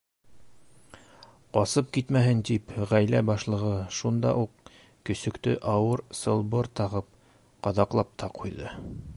Ҡасып китмәһен тип, ғаилә башлығы шунда уҡ көсөктө ауыр сылбыр тағып, ҡаҙаҡлап та ҡуйҙы.